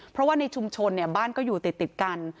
เพราะว่าในชุมชนบ้านก็อยู่ติดกัน